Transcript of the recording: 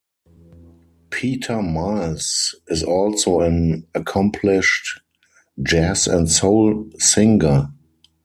Peter Miles is also an accomplished jazz and soul singer.